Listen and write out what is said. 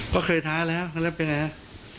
ก็เคยท้าแล้วแล้วเป็นไงฮะ